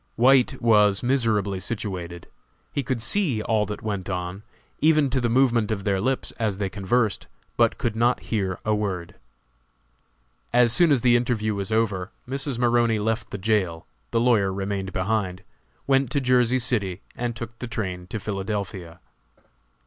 White was miserably situated. He could see all that went on, even to the movement of their lips as they conversed, but could not hear a word. As soon as the interview was over Mrs. Maroney left the jail the lawyer remaining behind went to Jersey City, and took the train to Philadelphia.